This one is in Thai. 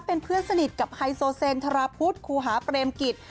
เป็นเพื่อนสนิทกับไฮโซเซนธราพุทธครูหาเปรมกิจ